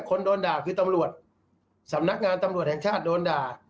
คนโดนด่าคือตำรวจสำนักงานตำรวจแห่งชาติโดนด่า